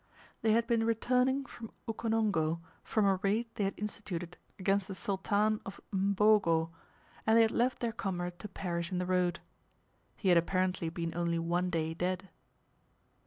They had been returning from Ukonongo from a raid they had instituted against the Sultan of Mbogo, and they had left their comrade to perish in the road. He had apparently been only one day dead.